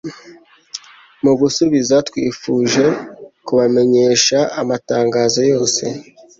Mu gusubiza, twifuje kubamenyesha amatangazo yose